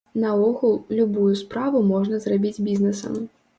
Наогул, любую справу можна зрабіць бізнесам.